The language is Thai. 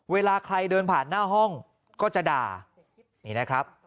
เวลาใครเดินผ่านหน้าห้องก็จะด่า